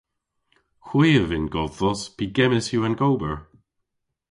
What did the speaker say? Hwi a vynn godhvos pygemmys yw an gober.